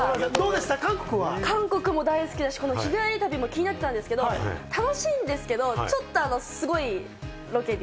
韓国大好きだし、日帰り旅も気になってたんですけど、楽しいんですけど、ちょっとすごいロケに。